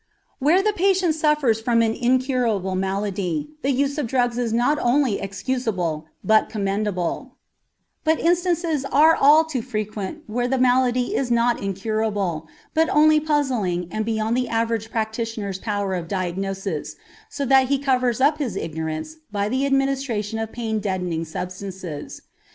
Where the patient suffers from an incurable malady, the use of drugs is not only excusable, but commendable; but instances are all too frequent where the malady is not incurable, but only puzzling and beyond the average practitioner's power of diagnosis, so that he covers up his ignorance by the administration of pain deadening substances.